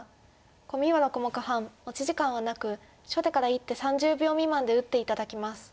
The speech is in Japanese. コミは６目半持ち時間はなく初手から１手３０秒未満で打って頂きます。